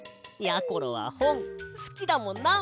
やころはほんすきだもんな。